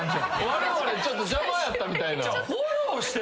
われわれちょっと邪魔やったみたいな。